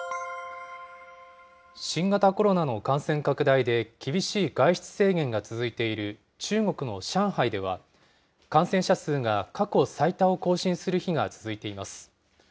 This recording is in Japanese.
新型コロナの感染拡大で厳しい外出制限が続いている中国の上海では、感染者数が過去最多を更新する日が続いています。